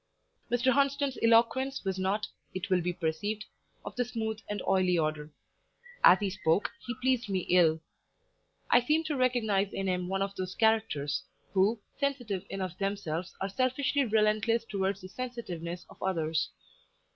Mr. Hunsden's eloquence was not, it will be perceived, of the smooth and oily order. As he spoke, he pleased me ill. I seem to recognize in him one of those characters who, sensitive enough themselves, are selfishly relentless towards the sensitiveness of others.